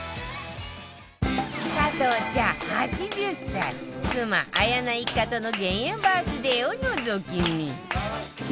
加藤茶８０歳妻綾菜一家との減塩バースデーをのぞき見！